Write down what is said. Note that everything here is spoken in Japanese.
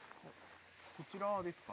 こちらですか？